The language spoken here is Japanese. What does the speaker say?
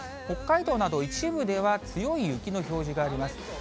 北海道など一部では、強い雪の表示があります。